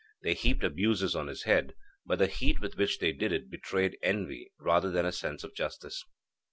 They heaped abuses on his head, but the heat with which they did it betrayed envy rather than a sense of justice.